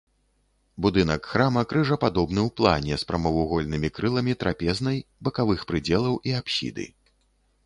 Будынак храма крыжападобны ў плане з прамавугольнымі крыламі трапезнай, бакавых прыдзелаў і апсіды.